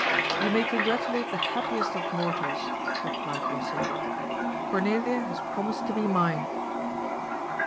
' You may congratulate the happiest of mortals," replied Lossell. ^* Cornelia has promised to be mine."